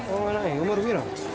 oh anaknya umur berapa